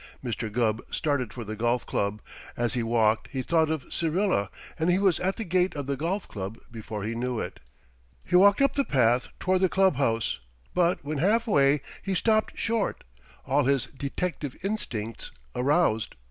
Mr. Gubb started for the Golf Club. As he walked he thought of Syrilla, and he was at the gate of the Golf Club before he knew it. He walked up the path toward the club house, but when halfway, he stopped short, all his detective instincts aroused.